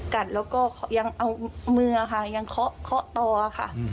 กัดแล้วก็ยังเอามือค่ะยังเคาะต่อค่ะ